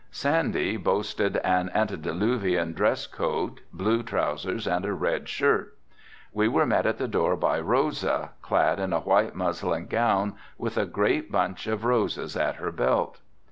Sandy boasted an antideluvian dress coat, blue trousers and a red shirt. We were met at the door by Rosa, clad in a white muslin gown, with a great bunch of roses at her belt.